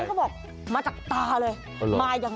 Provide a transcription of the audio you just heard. นี่เขาบอกเมาจากตาเลย